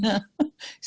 itu gak sandoi